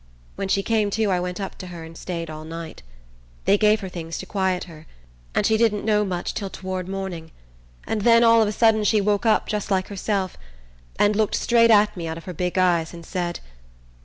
When she came to I went up to her and stayed all night. They gave her things to quiet her, and she didn't know much till to'rd morning, and then all of a sudden she woke up just like herself, and looked straight at me out of her big eyes, and said...